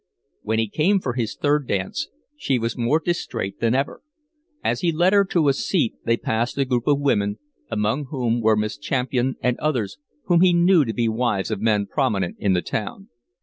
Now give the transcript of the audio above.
When he came for his third dance, she was more distraite than ever. As he led her to a seat they passed a group of women, among whom were Mrs. Champian and others whom he knew to be wives of men prominent in the town.